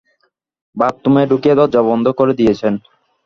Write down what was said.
বাথরুমে ঢুকিয়ে দরজা বন্ধ করে দিয়েছেন।